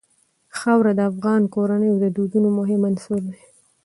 خاوره د افغان کورنیو د دودونو مهم عنصر دی.